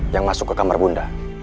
yang masuk ke kamar bunda